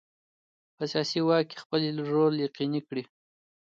په سیاسي واک کې خپل رول یقیني کړي.